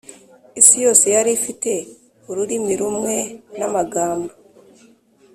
Isi yose yari ifite ururimi rumwe n amagambo